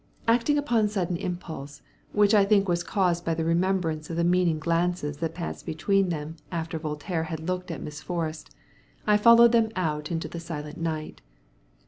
Acting upon sudden impulse, which I think was caused by the remembrance of the meaning glances that passed between them after Voltaire had looked at Miss Forrest, I followed them out into the silent night.